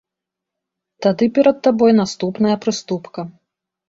Тады перад табой наступная прыступка.